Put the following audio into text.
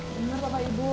bener bapak ibu